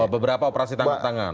beberapa operasi tangkap tangan